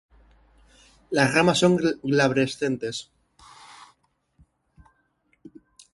Las ramas son glabrescentes.